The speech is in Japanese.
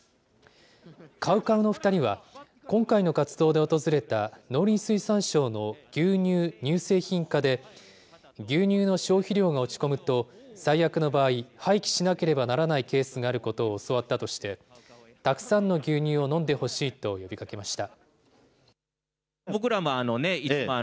ＣＯＷＣＯＷの２人は、今回の活動で訪れた、農林水産省の牛乳乳製品課で、牛乳の消費量が落ち込むと、最悪の場合、廃棄しなければならないケースがあることを教わったとして、たくさんの牛乳を飲んでほしいと呼びかけました。